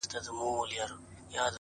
• زه لکه نغمه درسره ورک سمه,